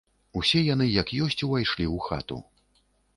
Усе яны як ёсць увайшлі ў хату.